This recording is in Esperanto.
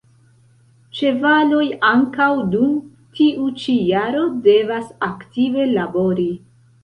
Ĉevaloj ankaŭ dum tiu ĉi jaro devas aktive labori.